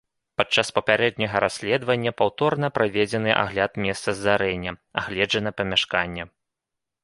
Падчас папярэдняга расследавання паўторна праведзены агляд месца здарэння, агледжана памяшканне.